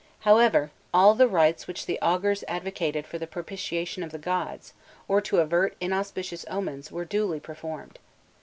However, all the rites which the augurs advocated for the propitiation of the gods, or to avert in auspicious omens, were duly performed.